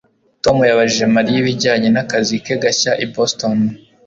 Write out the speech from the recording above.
Tom yabajije Mariya ibijyanye nakazi ke gashya i Boston